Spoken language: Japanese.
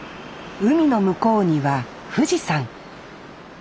海の向こうには富士山。